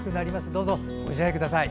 どうぞ、ご自愛ください。